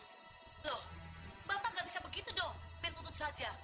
loh bapak nggak bisa begitu dong menuntut saja